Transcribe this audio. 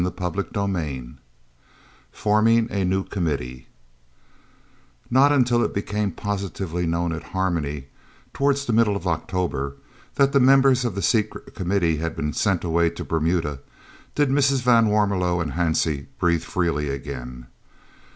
CHAPTER XXX FORMING A NEW COMMITTEE Not until it became positively known at Harmony, towards the middle of October, that the members of the Secret Committee had been sent away to Bermuda, did Mrs. van Warmelo and Hansie breathe freely again.